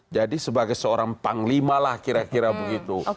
sebagai seorang panglima lah kira kira begitu